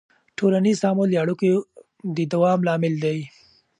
ټولنیز تعامل د اړیکو د دوام لامل دی.